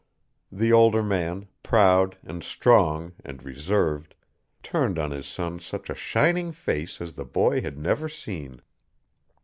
The older man, proud and strong and reserved, turned on his son such a shining face as the boy had never seen.